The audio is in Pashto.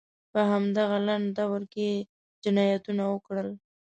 په همدغه لنډه دوره کې یې جنایتونه وکړل.